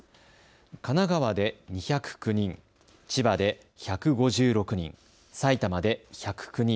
神奈川で２０９人、千葉で１５６人、埼玉で１０９人。